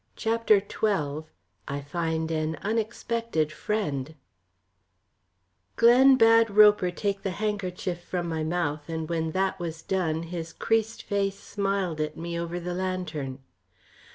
CHAPTER XII I FIND AN UNEXPECTED FRIEND Glen bade Roper take the handkerchief from my mouth, and when that was done his creased face smiled at me over the lantern.